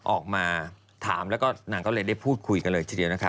ออกมาถามแล้วก็นางก็เลยได้พูดคุยกันเลยทีเดียวนะคะ